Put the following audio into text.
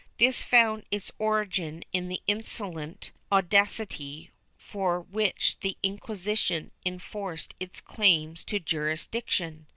This found its origin in the insolent audacity with which the Inquisition enforced its claims to juris diction.